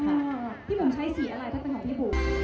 พี่บุ้งใช้สีอะไรถ้าต้องขอพี่บุ้ง